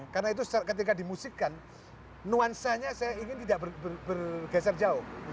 karena itu ketika dimusikkan nuansanya saya ingin tidak bergeser jauh